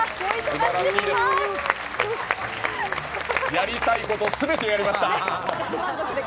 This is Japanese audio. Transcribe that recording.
やりたいこと全てやりました！